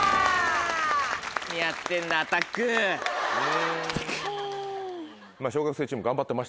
何やってんだアタック！ですね。